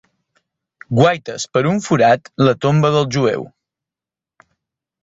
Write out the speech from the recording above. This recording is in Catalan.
Guaites per un forat la tomba del Jueu